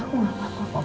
aku gak apa apa